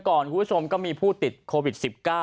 คุณผู้ชมก็มีผู้ติดโควิด๑๙